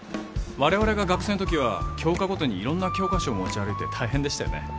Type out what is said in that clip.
我々が学生の時は教科ごとに色んな教科書を持ち歩いて大変でしたよね？